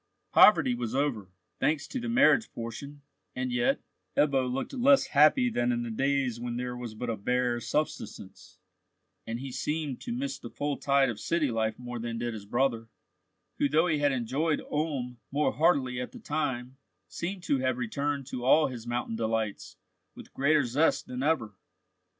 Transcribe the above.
Poverty was over, thanks to the marriage portion, and yet Ebbo looked less happy than in the days when there was but a bare subsistence; and he seemed to miss the full tide of city life more than did his brother, who, though he had enjoyed Ulm more heartily at the time, seemed to have returned to all his mountain delights with greater zest than ever.